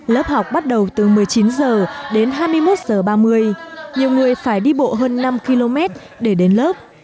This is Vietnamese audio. lớp học bắt đầu từ một mươi chín h đến hai mươi một h ba mươi nhiều người phải đi bộ hơn năm km để đến lớp